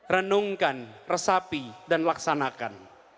renungkan resapi dan laksanakan